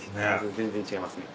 全然違いますね。